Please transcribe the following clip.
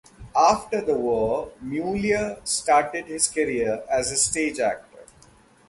After the war, Muliar started his career as a stage actor.